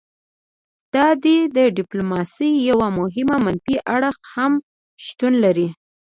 د دې ډیپلوماسي یو مهم منفي اړخ هم شتون لري